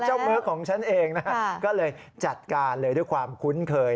เมิร์กของฉันเองนะก็เลยจัดการเลยด้วยความคุ้นเคย